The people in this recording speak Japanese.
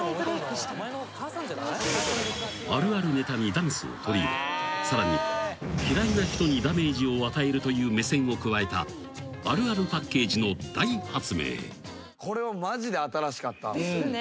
［あるあるネタにダンスを取り入れさらに「嫌いな人にダメージを与える」という目線を加えたあるあるパッケージの大発明］